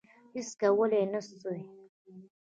هیڅ کولای نه سوای.